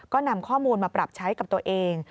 ก็นำข้อมูลมาปรับใช้กับตัวเอง